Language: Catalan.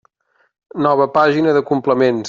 Nova pàgina de complements.